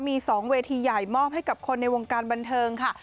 มี๒เวทีใหญ่มอบให้กับคนในวงการบันเทิงค่ะ